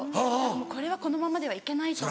もうこれはこのままではいけないと思って。